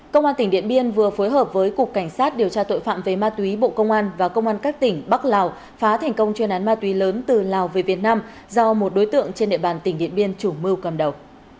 công an tỉnh điện biên vừa phối hợp với cục cảnh sát điều tra tội phạm về ma túy bộ công an và công an các tỉnh bắc lào phá thành công chuyên án ma túy lớn từ lào về việt nam do một đối tượng trên địa bàn tỉnh điện biên chủ mưu cầm đầu